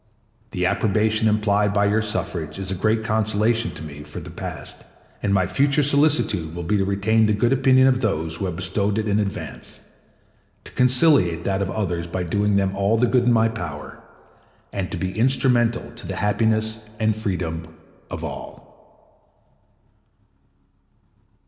The approbation implied by your suffrage is a great consolation to me for the past, and my future solicitude will be to retain the good opinion of those who have bestowed it in advance, to conciliate that of others by doing them all the good in my power, and to be instrumental to the happiness and freedom of all.